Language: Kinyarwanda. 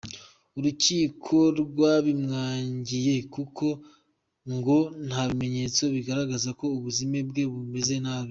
Urukiko rwabimwangiye kuko ngo nta bimenyetso bigaragaza ko ubuzima bwe bumeze nabi.